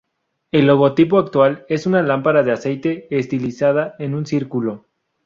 El logotipo actual es una lámpara de aceite estilizada en un círculo.